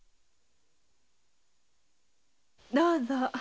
どうぞ。